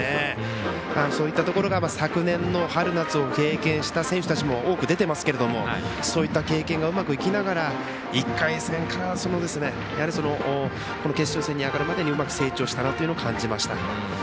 そういったところが昨年の春夏を経験した選手たちも多く出てますけどもそういった経験がうまく生きながら１回戦から決勝戦に上がるまでにうまく成長したなと感じました。